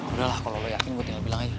udah lah kalau lo yakin gue tinggal bilang aja